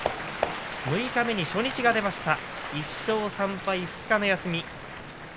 六日目に初日が出ました、１勝３敗２日の休み。